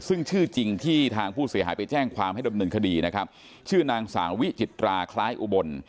ซึ่งชื่อจริงที่ทางผู้เสียหายไปแจ้งความให้ดำเนินคดีนะครับชื่อนางสาววิจิตราคล้ายอุบล